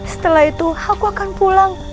setelah itu aku akan pulang